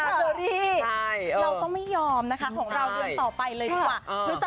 เชอรี่เราก็ไม่ยอมนะคะของเราเดือนต่อไปเลยดีกว่า